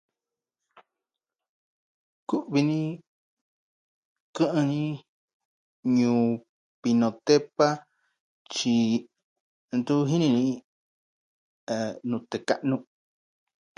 Kuvi ni kɨˈɨn ni Ñuu Pinotepa tyi ntu jini ni, eh, nute kaˈnu.